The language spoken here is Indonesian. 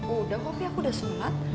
udah kok fi aku udah sholat